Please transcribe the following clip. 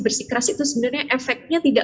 bersikeras itu sebenarnya efeknya tidak